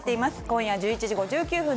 今夜１１時５９分